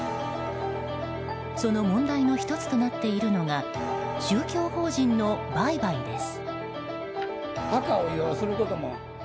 その問題の１つとなっているのが宗教法人の売買です。